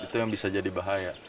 itu yang bisa jadi bahaya